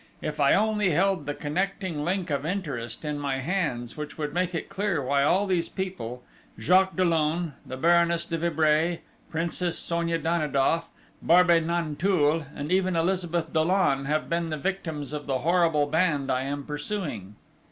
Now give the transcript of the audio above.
If I only held the connecting link of interest in my hands, which would make it clear why all these people Jacques Dollon, the Baroness de Vibray, Princess Sonia Danidoff, Barbey Nanteuil, and even Elizabeth Dollon have been the victims of the horrible band I am pursuing....